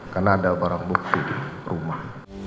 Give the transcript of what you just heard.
karena ada barang bukti di rumah